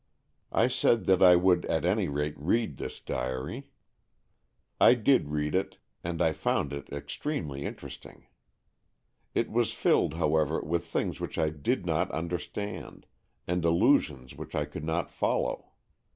I said that I would at any rate read this diary. I did read it, and I found it 140 AN EXCHANGE OF SOULS extremely interesting. It was filled, how ever, with things which I did not understand, and allusions which I could not follow.